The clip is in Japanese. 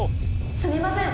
「すみません！